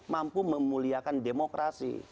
mampu memuliakan demokrasi